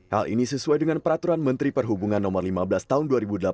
hal ini sesuai dengan peraturan menteri perhubungan no lima belas tahun dua ribu delapan belas